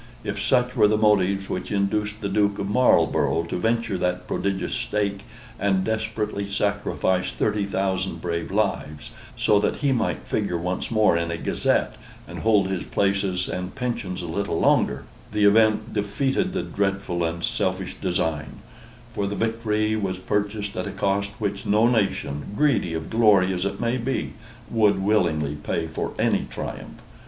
If such were the motives which induced the Duke of Marlborough to venture that prodigious stake, and desperately sacrifice thirty thousand brave lives, so that he might figure once more in a Gazette, and hold his places and pensions a little longer, the event defeated the dreadful and selfish design, for the victory was purchased at a cost which no nation, greedy of glory as it may be, would willingly pay for any triumph.